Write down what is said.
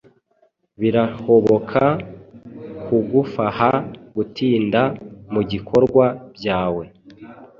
birahoboka kugufaha gutinda mubikorwa byawe,